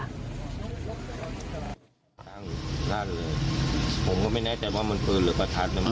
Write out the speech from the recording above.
ทางด้านเลยผมก็ไม่แน่ใจว่ามันฟื้นหรือประทัด